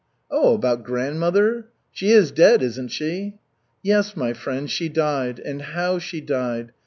"Oh, about grandmother? She is dead, isn't she?" "Yes, my friend, she died. And how she died!